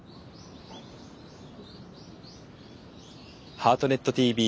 「ハートネットＴＶ」